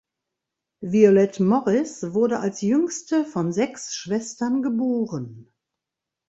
Violette Morris wurde als jüngste von sechs Schwestern geboren.